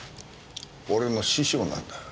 俺の師匠なんだよ。